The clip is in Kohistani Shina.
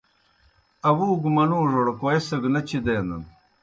آوُوگوْ منُوڙوْڑ کوئے سگہ نہ چِدینَن۔